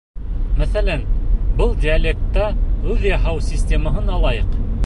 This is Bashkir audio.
Мәҫәлән, был диалектта һүҙ яһау системаһын алайыҡ.